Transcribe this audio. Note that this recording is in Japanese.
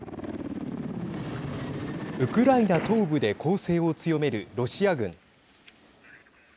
ウクライナ東部で攻勢を強めるロシア軍。